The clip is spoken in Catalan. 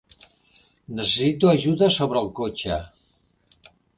Necessito ajuda sobre el cotxe.